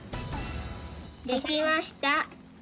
できました！